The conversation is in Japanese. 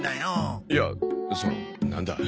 いやそのなんだ。